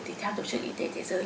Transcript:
thì theo tổ chức y tế thế giới